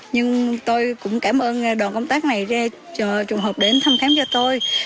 nhưng tôi cũng cảm ơn đoàn công tác này ra trùng hợp đến thăm khám cho tôi